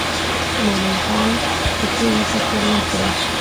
مومن خان پښې ورته څرمه کړې.